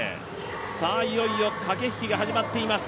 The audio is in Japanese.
いよいよ駆け引きが始まっています。